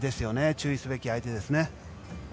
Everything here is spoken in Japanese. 注意すべき相手ですね。